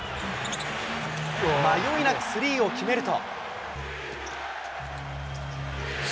迷いなくスリーを決めると。